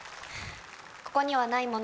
「ここにはないもの」。